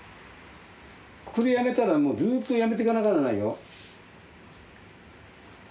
ここで辞めたらずーっと辞めてかなきゃならないよ。